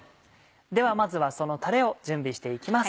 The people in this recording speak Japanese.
ではまずはそのたれを準備して行きます。